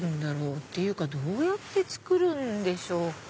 っていうかどうやって作るんでしょうか？